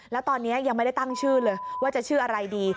แล้วตอนนี้ยังไม่ได้ตั้งชื่อเลยว่าจะชื่ออะไรดี